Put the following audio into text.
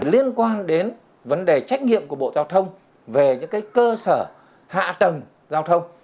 liên quan đến vấn đề trách nhiệm của bộ giao thông về những cơ sở hạ tầng giao thông